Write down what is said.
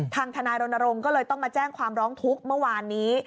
ทนายรณรงค์ก็เลยต้องมาแจ้งความร้องทุกข์เมื่อวานนี้